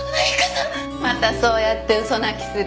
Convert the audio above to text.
またそうやって嘘泣きする。